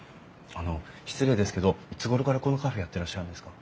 あの失礼ですけどいつごろからこのカフェやってらっしゃるんですか？